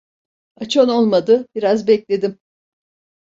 Açan olmadı. Biraz bekledim.